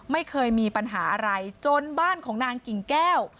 ไม่เคยมีปัญหาอะไรจนบ้านของนางกิ่งแก้ว